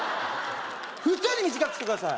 普通に短くしてください